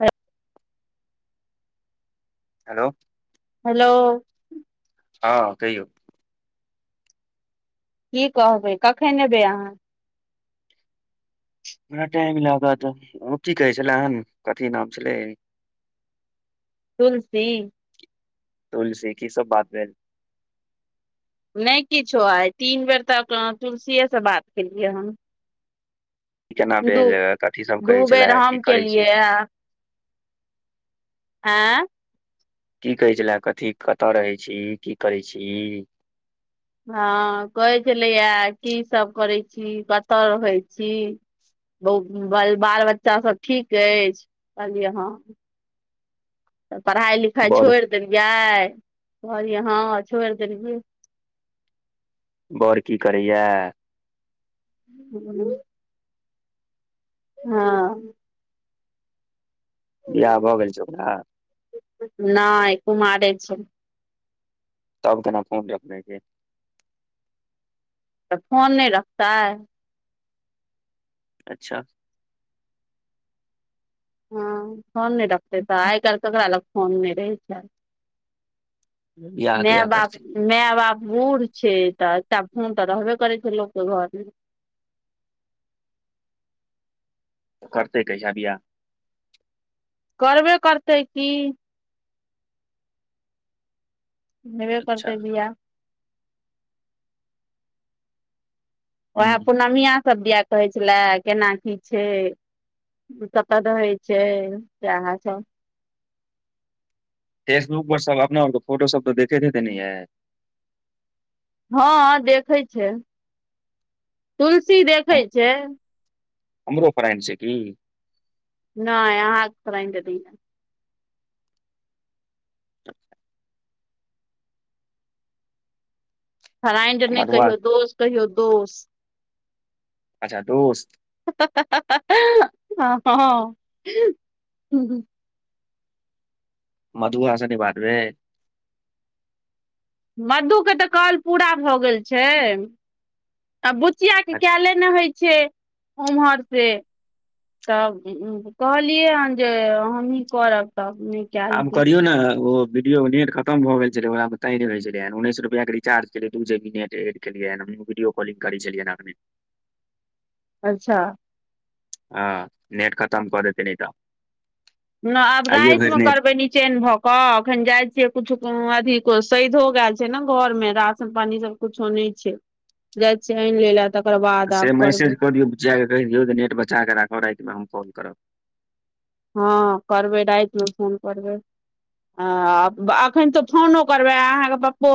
अच। Hello. Hello. हँ कहियौ। की कहबै कखन एबै अहाँ। हमरा टाइम लागत ओ की कहै छले हेन कथी नाम छलै। तुलसी। तुलसी की सब बात भेल। नहि किछो आइ तीन बेर तऽ तुलसीे से बात केलियै हन। केना भेल कथिसभ दू कहै बेर छलै हम की करैत छी। केलियै आँ की कहै छलए कथी कतऽ रहै छी की करै छी। हँ कहै छलैया की सब करै छी कतय रहै छी। बहुत ब बाल बच्चा सब ठीक अछि कहललियै हँ। तऽ पढ़ाइ लिखाइ बर छोड़ि देलियाय कहलियै हँ छोड़ि देलियै। बड़ की करैया। ह [unintelligible] हँ। बियाह भऽ गेल छै ओकरा। नय कुमारे छै। तब केना फोन ल अपनेके। तऽ फोन नहि रखतै। अच्छा। हँ फोन नहि रखतै तऽ आइ काल्हि ककरा लग फोन नहि रहै छै। बियाह मै कहिया बाप। करतै मै बाप बूढ़ छै तऽ अच्छा फोन तऽ रहबे करै छै लोकके घरमे। त करतै कहिआ बिहा। करबे करतै की नवे अच्छा परर्ते बिया उएह हूँ पूर्णमियास सभ दिआ कहै छेला केना की छै [unintelligible] कत तऽ दहइ छै सेहा सब फेसबुक पर सब अपना और के फोटो सब त देखैत हेतय ने यय हँ हँ देखै छै तुलसी हम देखै छै हमरो फ्राइंड छै की नहि अहाँ क फ्राइंड छथीन [inaudible] फराइण्ड नहि मधुआ कहियौ दोष कहियौ दोष अच्छा दोस्त हँ ह मधुआ से नै बात भेल मधु के तऽ कॉल पूरा भऽ गेल छै आ बुचियाके अच्छा कैले नहि होइ छै ओम्हरसे तब कहलियै हँ जे हमहीं करब तब नीक आब करियौ ने ओ वीडियो नेट खतम भए गेल छेलै ओहै मे ताँयनय होय छेलय या उन्नैस रुपआ के रिचार्ज केलियय दू जीबी नेट एक केलियैयाने हमहूं वीडियो कॉलिंग कर छलियैने अखने अच्छा हँ नेट खतम कऽ देतय नै तऽ न आब आइये रैति मे भरि नेट करबै निचेन भऽक हँ अखन जाय छियै कुछो अथी सैधो गेएल छै न घर मे राशन पानी सब कुछो नै छै जाय छियै आनि लय ल से मैसेज कऽ दियौ बुचिया के कहि दियौ जेऽ नेट बचा कऽ राखब रैतिमे हम फोन करब हँ करबै रातिमे फोन करबै हँ एखन तऽ फोनो करबै अहाँके पप्पो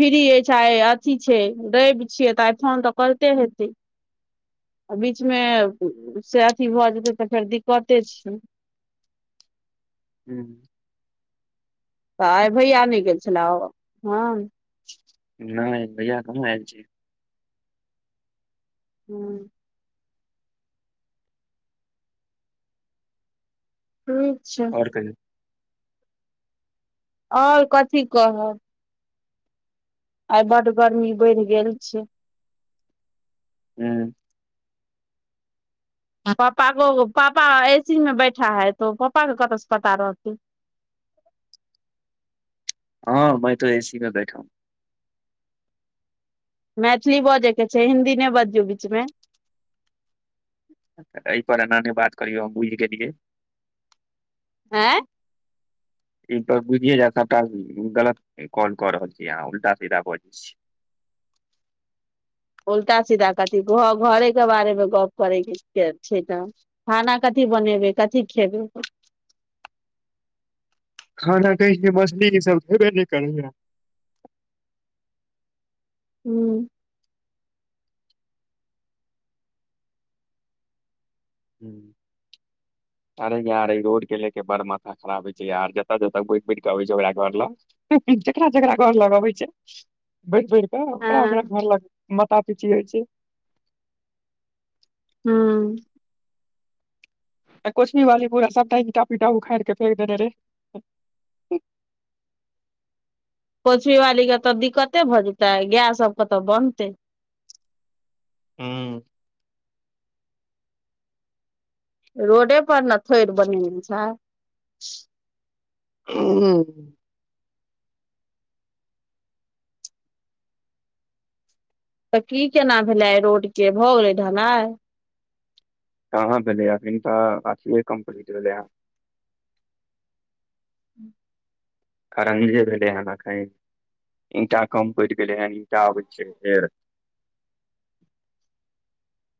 फ्री अइछ आइ अथी छै रैब छियै तऽ आइ फोन तऽ करिते हेतै आ बीच मे से अथी भऽ जेतै तऽ फेर दिक्कते छै हूँ तऽ आइ भैया नै गेल छेलै हँ नै भैया कहाँ ऐल छै हूँ हू और कहियौ और कथी कहब आइ बड गर्मी बैढ़ गेल छै हू पापा को पापा एसी में बैठा है तो पप्पा के कतऽ स पता रहतै हँ मैं तो एसी में बैठा हूँ मैथिली बजय के छै हिन्दी नै बजियौ बीच में एहि पर एना नै बात करियौ हम बुझि गेलियै हैं ई पर बुझिये जैत सबटा गलत कॉल क रहल छियै अहाँ उल्टा सीधा बजै छी उल्टा सीधा कथी घरे के बारेमे गप करैके छै त खाना कथी बनेबै कथी खेबै। खाना कहै छ मछली ई सब खेबे नहि करैए हू। ह अरे यारे रोडके लके बड़ मथ खराब होइ छै यार जतऽ-जतऽ बैठ-बैठ के अबै छै ओकरा घर लग जेकरा-जेकरा घर लग अबै छै बैढ़- बेढ़ कऽ ओकरा-ओकरा हँ घर लग माथा-पेची होइ छै हू आ कोछवी वाली पूरा सब त ही इटा- पीटा उखाइड़ क फेक देने रहे पोछवी वाली के तऽ दिक्कते भऽ जेतै गाय सब कतऽ बनतै हम्म रोडे परड़ ने थोइर बनाने छै। [unintelligible] तऽ की केना भेलै आई रोड के भऽ गेलै धढनाइ। कहाँ भेलै अभन तऽ अथे कम्पलित रहलै ह। कारअहिले जे भेलै हेन एखन ईंटा कम पड़ि गेलै हेन ईंटा अबै छै फेर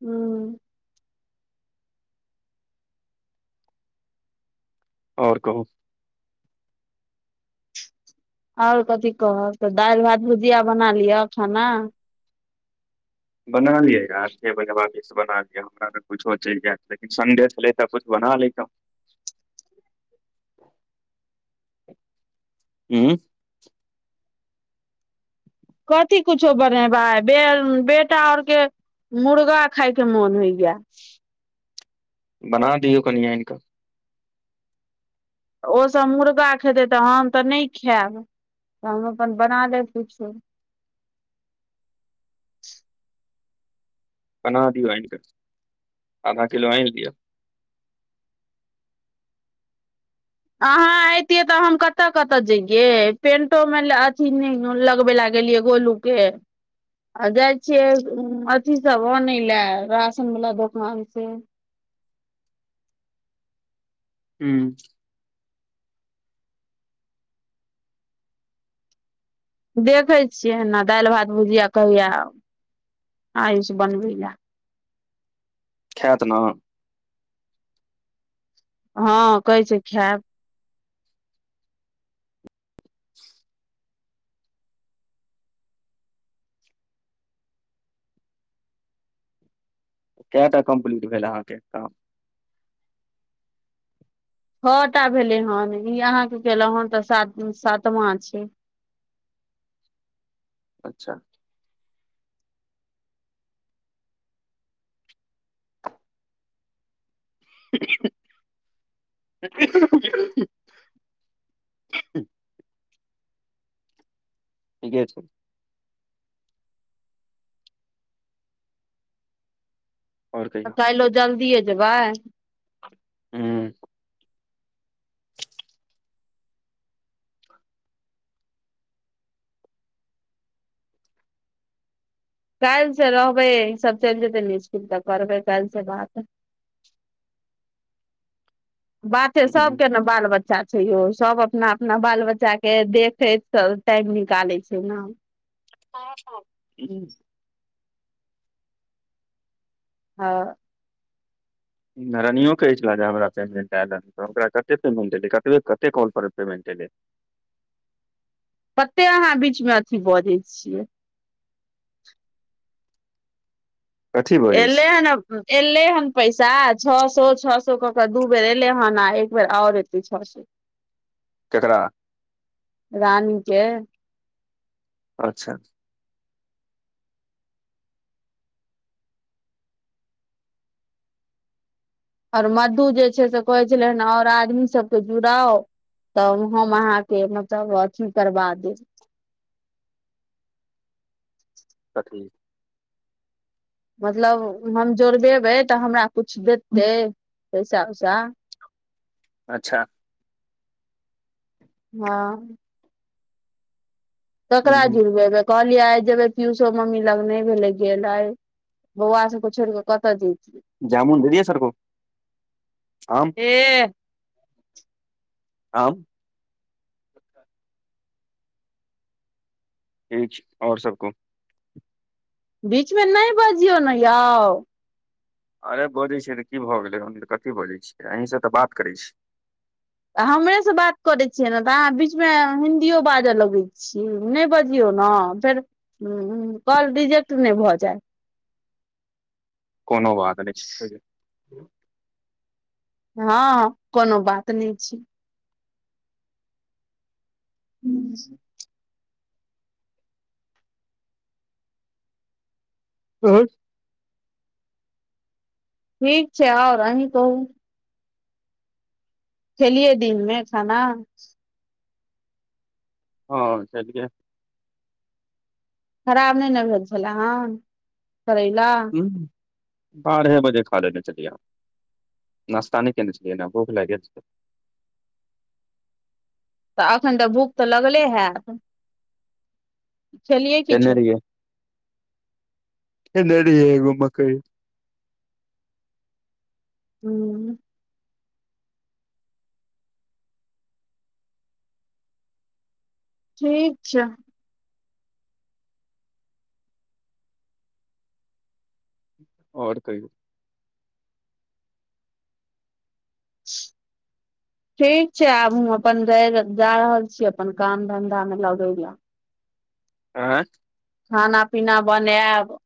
हूँ। आओर कहू। आओर कथी कहब तऽ दालि भात भुजिया बना लिअ खाना। बना लियै यार बेसँ बना लियै हमरा तऽ कुछो चलि जायत लेकिन सडे छलै तऽ कछु बना लेटो। [inaudible] हु कथथिी कुछो बनबाई भाय बेटा आओर के मुर्गा खायके मन होइ या। बना दियौ कनी अइन का। ओसभ मुर्गा खेतै तऽ हम तऽ नहि खायब तऽ हम अपन बना लेब किछु। बना दियौ आनि कऽ आधा किलो आनि लिया। अहाँ एऐतििये तऽ हम कतऽ कतऽ जइे पेंटो मे अथी लगबे ल गेलियै गोलू के आ जाइ छियै अथी सब अनै लए राशन वाला दोकान से हुँ। देखै छियै एना दालि भात भुजिया कहैये आयुष बनबै लए खैत न हँ कहै छै खैब। [inaudible] कैटा कम्प्लीट भेल अहाँके काम। छौटा भेलै हन ई अहाँके केलौं हन ई अहाँके केलौं हन तऽ सातमा छै। अच्छा। [inaudible] ठीके छै। आओर तऽ कहियौ काइलो जल्दिए जेबै। हुँ [inaudible] काल्हि से रहबै ई सब चलि जेतै ने इसकुल तऽ करबै काल्हि से बात बाते हूँ सभके न बाल बच्चा छै यौ सब अपना अपना बाल बच्चा के देखैत टाइम निकालै छै न। [inaudible] हँ। नारनियो कहैत छलला जे हमरा पेमेन्ट आयल हँ तऽ ओकरा कते पेमेन्ट एलै कतबे कते कॉल पर पेमेन्ट एलै। कते अहाँ बीच मे अथी बजै छियै। कथी बजै छी एलै हने एले हन पैसा छौ सौ छौ सौ कऽ केऽ दू बेर एलै हन आ एक बेर आओर एतै छौ सौ [inaudible] केकरा रानी के अच्छा। आओर मधु जे छै से कहै छलै हेन आओर आदमी सबके जुड़ाव। तब हम अहाँके मतलब अथी करबा देब कथी मतलब हम जोड़बेबै तऽ हमरा किछु देतै पैसा उसा अच्छा हँ ककरा हूँ जुरबेबे कहलियै आइ जेबै पियूसो मम्मी लग नय भेलै गेल आइ बौआ सबके छोड़ि कऽ कतऽ जैति [unintelligible] एह आम ठीक छै आओर सब कहु बीचमे नय बजियौ न यौ अरे बजै छियै तऽ की भऽ गेलै हम तऽ कथी बजै छियै अहींसँ तऽ बात करै छी हमरे से बात करै छियै ने तऽ अहाँ बीचमे हिंन्दीयो बाजय लगै छी। छी नय बजियौ न फेर काॅल रिजेक्ट नय भऽ जाय कोनो बात नय छै ओयलेल हँ कोनो बात नय छै हूँ [inaudible] नीक छै ओर अहीं कहू खेलियै दिनमे खाना हँ खेलियै खराब नय न भेल छलाह हन करैला बारहे बजे खा लेने छलिया हम नास्ता नै केने छलियै ने भूख लाइग गेल छल तऽ एखन तऽ भूख तऽ लगले हैत खेलियै खेने किछो रहियै खेने रहियै एगो मकइ हूँ ठीक छै ओर कहियो [inaudible] ठीक छै आब अपन जा रहल छी अपन काम धंधा मे लगौ ल [unintelligible] खाना पीना बनायब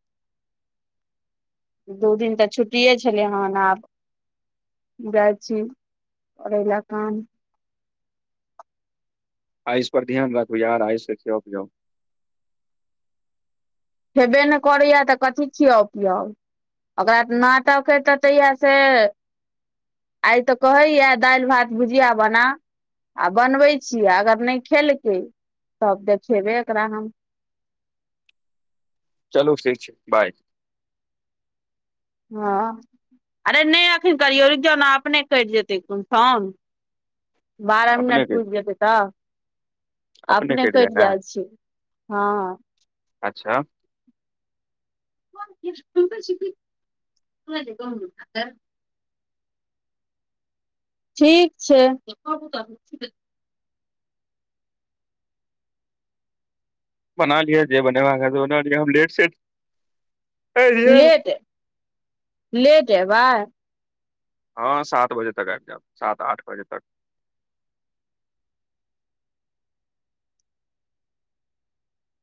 दू दिन तऽ छुट्टिए छलै हेन आब जाइ छी करैला कान आयूस पर ध्यान रखू यार आयूस के खिआउ पियोउ खैबे नय करैय तऽ कथी खियाउ पिआउ ओकरा नाटकके तते याऽसे आइ तऽ कहैये दालि भात भुजिया बना आ बनबैत छीयै अगर नय खेलकै तब देखेबै एकरा हम चलू ठीक छै बाय हँ अरे नय अखन करियौ अपने कटि जेतै फौन बारह अपने मिनट के पुर जेतै तऽ अपने कइट जाइ छै हँ अच्छा [inaudible] ठीक छै [inaudible] बना लिय जे बनेबाका हेत बना लिय हम लेट से लेट अ लेट अबै हँ सात बजे तक आइब जायब सात आठ बजे तक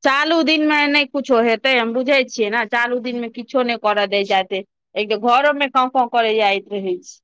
चालू दिनमे नय किछो हेतै हम बुझै छियै ने चालू दिनमे किछो नय करऽ देल जातै एक त घरमे कओ कओ कर जाइ रहे छै